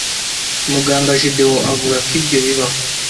Muganga Gedeo avuga ko ibyo bibaho